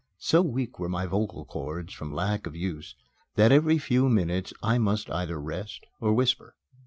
So weak were my vocal cords from lack of use that every few minutes I must either rest or whisper.